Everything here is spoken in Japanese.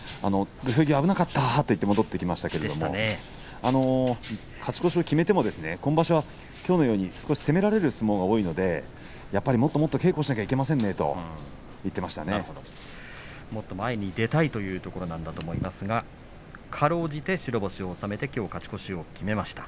土俵際危なかったと言って戻ってきましたけれども勝ち越しを決めても今場所はきょうのように少し攻められる相撲が多いのでやっぱりもっともっと稽古しなければいけませんねともっと前に出たいというところなんだと思いますがかろうじて白星を収めてきょう勝ち越しを決めました。